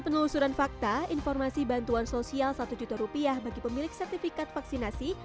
penelusuran fakta informasi bantuan sosial satu juta rupiah bagi pemilik sertifikat vaksinasi